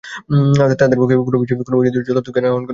তাদের পক্ষে কোনো বিষয়ে যথার্থ জ্ঞান আহরণ করা সম্ভব হচ্ছে না।